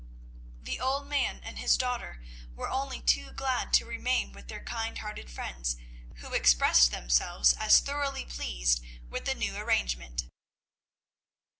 The old man and his daughter were only too glad to remain with their kind hearted friends, who expressed themselves as thoroughly pleased with the new arrangement.